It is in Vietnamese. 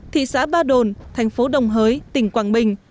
thị xã ba đồn thành phố đồng hới tỉnh quảng bình